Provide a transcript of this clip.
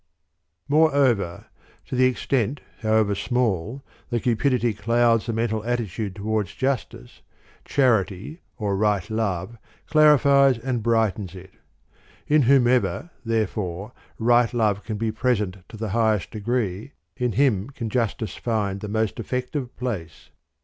. 6. Moreover, to the extent however small that cupidity clouds the mental attitude toward Justice, charity or right love clarifies and bright ens it. In whomever, therefore, righiJovexan bej present to the highest degree, in him can_Jus tice find the most effective place.